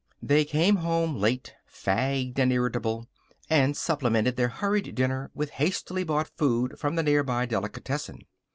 They came home late, fagged and irritable, and supplemented their hurried dinner with hastily bought food from the near by delicatessen.